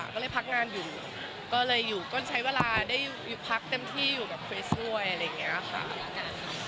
ก็เลยพักงานอยู่ก็เลยอยู่ก็ใช้เวลาได้อยู่พักเต็มที่อยู่แบบคริสช่วยอะไรอย่างนี้ค่ะ